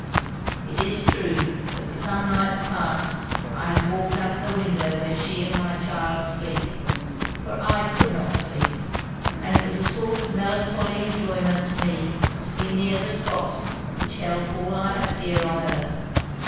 It is true, that for some nights past I have walked under the window where she and my child sleep: for I could not sleep; and it was a sort of melancholy enjoyment to me to be near the spot which held all I have dear on earth.